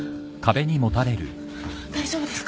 大丈夫ですか？